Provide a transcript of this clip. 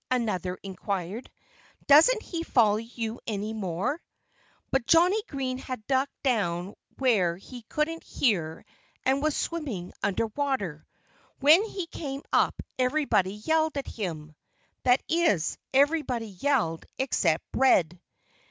another inquired. "Doesn't he follow you any more?" But Johnnie Green had ducked down where he couldn't hear and was swimming under water. When he came up everybody yelled at him. That is, everybody yelled except Red.